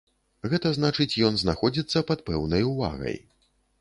Гэта значыць ён знаходзіцца пад пэўнай увагай.